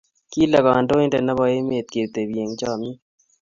Kile kandoindet nebo emet ketebi eng chamyet